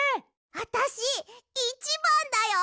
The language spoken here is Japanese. あたしいちばんだよ！